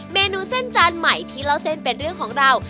เมนูเส้นจานใหม่ที่เล่าเส้นเป็นเรื่องของเรา